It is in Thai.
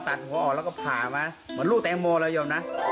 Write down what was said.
ตัดหัวออกแล้วก็ผ่ามาเหมือนลูกแตงโมเลยยอมนะ